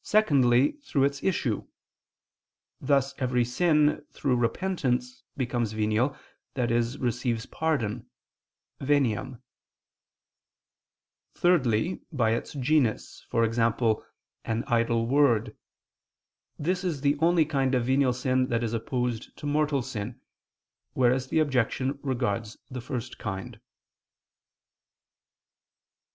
Secondly, through its issue; thus every sin, through repentance, becomes venial, i.e. receives pardon (veniam). Thirdly, by its genus, e.g. an idle word. This is the only kind of venial sin that is opposed to mortal sin: whereas the objection regards the first kind.